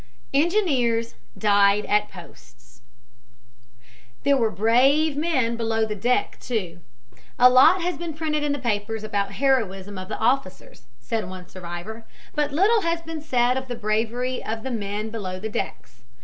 ENGINEERS DIED AT POSTS There were brave men below deck, too. "A lot has been printed in the papers about the heroism of the officers," said one survivor, "but little has been said of the bravery of the men below decks.